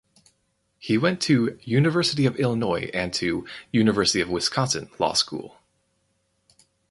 He went to University of Illinois and to University of Wisconsin Law School.